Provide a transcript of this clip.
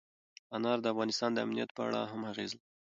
انار د افغانستان د امنیت په اړه هم اغېز لري.